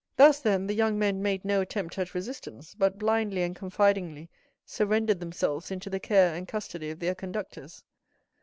Thus, then, the young men made no attempt at resistance, but blindly and confidingly surrendered themselves into the care and custody of their conductors.